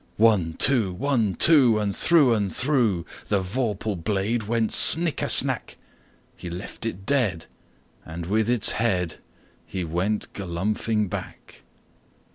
One, two! One, two! And through and throughThe vorpal blade went snicker snack! He left it dead, and with its headHe went galumphing back.